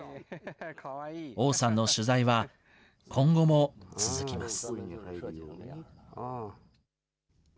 王さんの取材は今後も続きます。